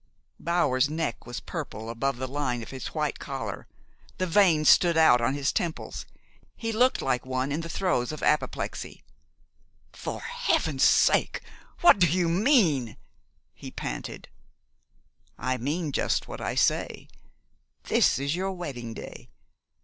Bower's neck was purple above the line of his white collar. The veins stood out on his temples. He looked like one in the throes of apoplexy. "For Heaven's sake! what do you mean?" he panted. "I mean just what I say. This is your wedding day.